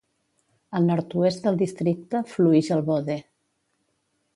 Al nord-oest del districte fluïx el Bode.